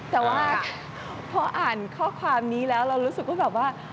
แต่ว่าพออ่านข้อความนี้แล้วเรารู้สึกว่าแบบว่า